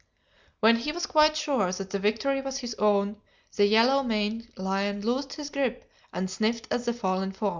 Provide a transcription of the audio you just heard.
"When he was quite sure that the victory was his own, the yellow maned lion loosed his grip and sniffed at the fallen foe.